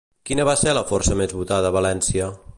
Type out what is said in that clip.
Quina va ser la força més votada a València?